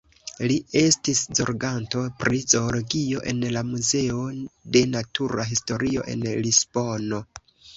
Li estis zorganto pri zoologio en la Muzeo de Natura Historio en Lisbono.